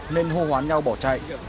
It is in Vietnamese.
nên hô hoán nhau bỏ chạy